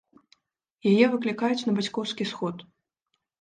Яе выклікаюць на бацькоўскі сход.